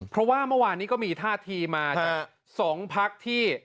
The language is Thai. เพราะว่าเมื่อวานนี้ก็มีท่าทีมาจาก๒พักที่